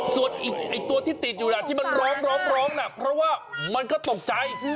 ส่วนตัวที่ติดอยู่นะที่มันร้องน่ะเพราะว่ามันก็ตกใจ